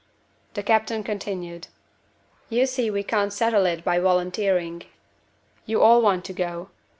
The captain continued: "You see we can't settle it by volunteering. You all want to go.